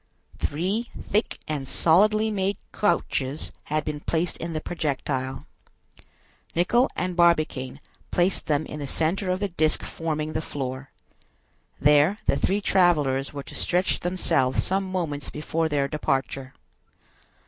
Three thick and solidly made couches had been placed in the projectile. Nicholl and Barbicane placed them in the center of the disc forming the floor. There the three travelers were to stretch themselves some moments before their departure.